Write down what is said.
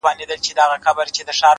دغه زرين مخ ـ